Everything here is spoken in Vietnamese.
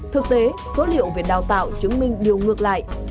thực tế số liệu về đào tạo chứng minh điều ngược lại